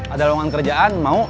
ada ruangan kerjaan mau